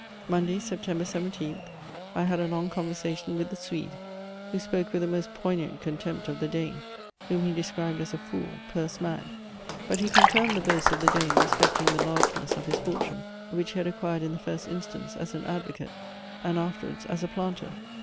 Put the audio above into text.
Monday, September 17th, I had a long conversation with the Swede, who spoke with the most poignant contempt of the Dane, whom he described as a fool, purse mad; but he confirmed the boasts of the Dane respecting the largeness of his fortune, which he had acquired in the first instance as an advocate, and afterwards as a planter.